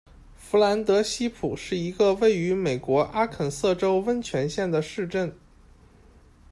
弗兰德希普是一个位于美国阿肯色州温泉县的市镇。